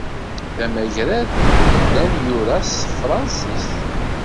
D amgrad yellan yura s tefransist.